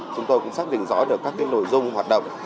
chúng tôi cũng xác định rõ được các nội dung hoạt động